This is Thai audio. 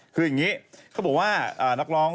คืออะไรนะ